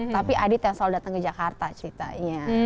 tapi adit yang selalu datang ke jakarta ceritanya